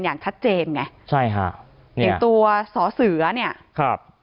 ส่วนขวาจอเป็นลายมือของครูเอ็มซึ่งไม่เหมือนกัน